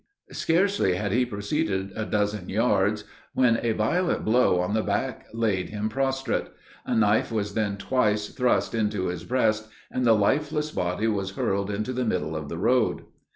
Scarcely had he proceeded a dozen yards; when a violent blow on the head laid him prostrate; a knife was then twice thrust into his breast, and the lifeless body was hurled into the middle of the road.